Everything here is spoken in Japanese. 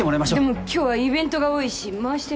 でも今日はイベントが多いし回して。